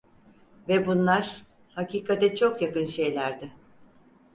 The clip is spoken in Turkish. Ve bunlar, hakikate çok yakın şeylerdi.